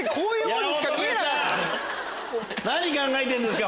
何考えてんですか！